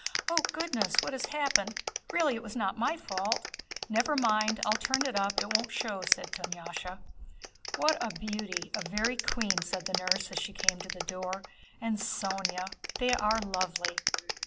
"Oh goodness! What has happened? Really it was not my fault!" "Never mind, I'll run it up, it won't show," said Dunyásha. "What a beauty—a very queen!" said the nurse as she came to the door. "And Sónya! They are lovely!"